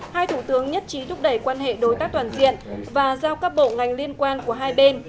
hai thủ tướng nhất trí thúc đẩy quan hệ đối tác toàn diện và giao các bộ ngành liên quan của hai bên